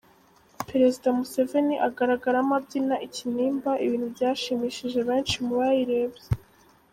Perezida Museveni agaragaramo abyina ikinimba, ibintu byashimishije benshi mu bayirebye.